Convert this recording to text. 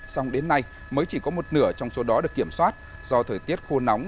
song đến nay mới chỉ có một nửa trong số đó được kiểm soát do thời tiết khô nóng